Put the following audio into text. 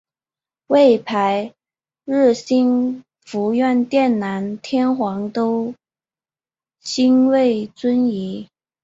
位牌曰兴福院殿南天皇都心位尊仪。